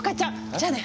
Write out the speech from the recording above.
じゃあね！